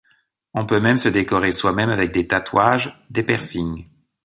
On peut même se décorer soi-même avec des tatouages, des piercings.